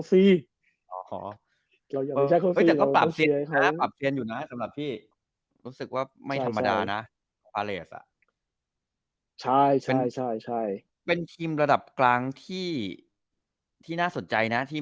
ทีมภาษาประมาณภาเลนะสะใช่ใช่ใช่ไอเป็นพิมพ์ระดับกลางที่ที่น่าสนใจนะที่